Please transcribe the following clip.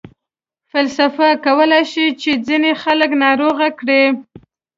فلسفه کولای شي چې ځینې خلک ناروغه کړي.